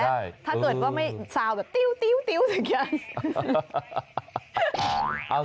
ถ้าเกิดว่าไม่ซาวแบบติ้วอย่างนี้